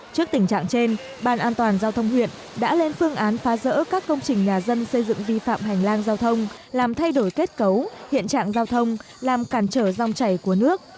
trước tình trạng trên ban an toàn giao thông huyện đã lên phương án phá rỡ các công trình nhà dân xây dựng vi phạm hành lang giao thông làm thay đổi kết cấu hiện trạng giao thông làm cản trở dòng chảy của nước